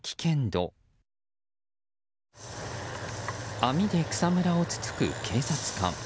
網で草むらをつつく警察官。